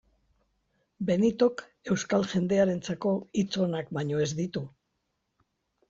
Benitok euskal jendearentzako hitz onak baino ez ditu.